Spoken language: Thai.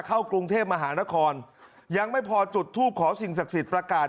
เข้ากรุงเทพมหานครยังไม่พอจุดทูปขอสิ่งศักดิ์สิทธิ์ประกาศ